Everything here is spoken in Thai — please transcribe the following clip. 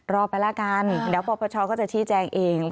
รอไปแล้วกันเดี๋ยวปปชก็จะชี้แจงเอง